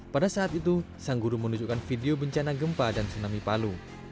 pada saat itu sang guru menunjukkan video bencana gempa dan tsunami palu